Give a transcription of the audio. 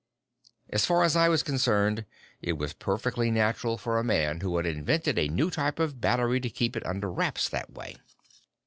"As far as I was concerned, it was perfectly natural for a man who had invented a new type of battery to keep it under wraps that way.